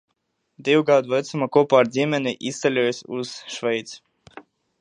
Divu gadu vecumā kopā ar ģimeni izceļojis uz Šveici.